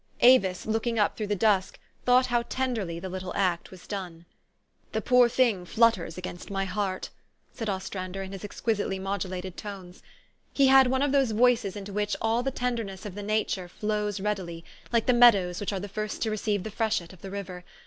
Avis, looking up through the dusk, thought how tenderly the little act was done. "The poor thing nutters against my heart," said Ostrander in his exquisitely modulated tones. He had one of those voices into which all the tenderness of the nature flows readily, like the meadows which are the first to receive the freshet of the river.